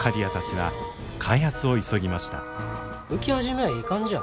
浮き始めはいい感じや。